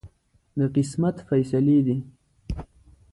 د قسمت فیصلې دي.